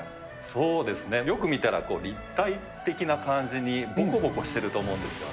そうですね、よく見たら立体的な感じに、ぼこぼこしてると思うんですよね。